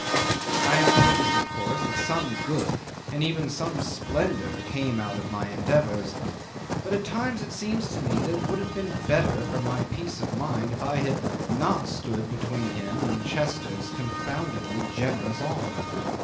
I am pleased, of course, that some good and even some splendour came out of my endeavours; but at times it seems to me it would have been better for my peace of mind if I had not stood between him and Chester's confoundedly generous offer.